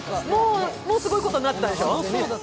もうすごいことになってたでしょ？